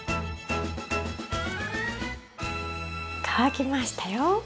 乾きましたよ。